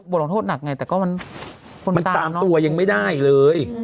บทลงโทษหนักไงแต่ก็มันตามตัวยังไม่ได้เลย